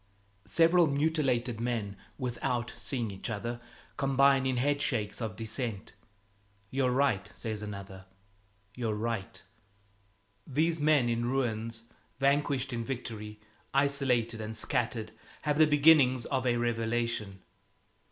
Several mutilated men, without seeing each other, combine in head shakes of dissent "You're right," says another, "you're right." These men in ruins, vanquished in victory, isolated and scattered, have the beginnings of a revelation.